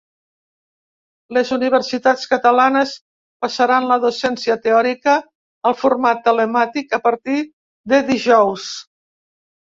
Les universitats catalanes passaran la docència teòrica al format telemàtic a partir de dijous.